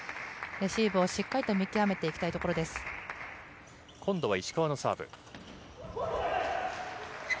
レシーブをしっかりと見極めてい今度は石川のサーブ。